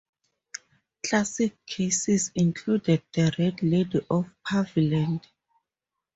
Classic cases included the Red Lady of Paviland.